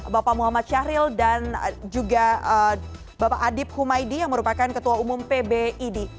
bapak muhammad syahril dan juga bapak adib humaydi yang merupakan ketua umum pbid